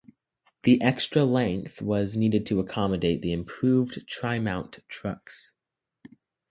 The extra length was needed to accommodate the improved Trimount trucks.